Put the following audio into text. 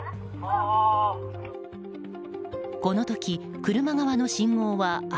この時、車側の信号は赤。